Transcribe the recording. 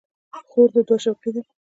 خور د دعا شوقي ده.